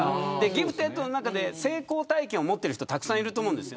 ギフテッドの中で成功体験を持っている人たくさんいると思うんです。